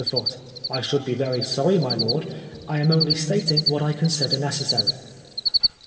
Foote: I should be very sorry, my lord. I am only stating what I consider necessary.